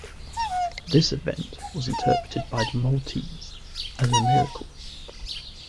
This event was interpreted by the Maltese as a miracle.